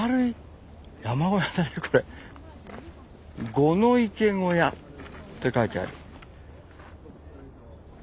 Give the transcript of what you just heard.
「五の池小屋」って書いてある。